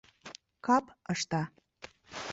— «Кап» ышта.